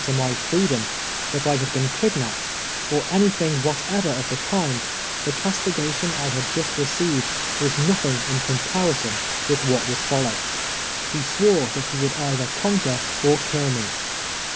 to my freedom, that I ]i;ul hi.'L'n ki(hia})i)ed, or any thing Avhatever of the kiiuh tlie eastigation I liad just received was nothing in ciiinj)arison with what wouM f<jll<>V\'. lie swore tliat he W(»uhl either cunnner or kill me.